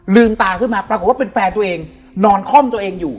ตาขึ้นมาปรากฏว่าเป็นแฟนตัวเองนอนคล่อมตัวเองอยู่